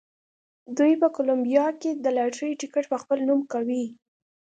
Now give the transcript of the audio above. دوی په کولمبیا کې د لاټرۍ ټکټ په خپل نوم کوي.